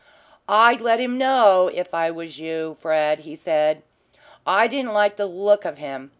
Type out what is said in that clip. "I'd let him know if I was you, Fred," he said. "I didn't like the look of him.